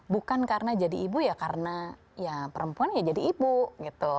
bukan karena jadi ibu ya karena ya perempuan ya jadi ibu gitu